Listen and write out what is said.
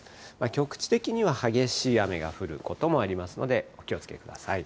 局地的には激しい雨が降ることもありますので、お気をつけください。